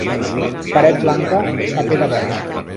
Paret blanca, paper de boig.